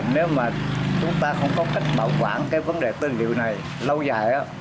nếu mà chúng ta không có cách bảo quản cái vấn đề tư liệu này lâu dài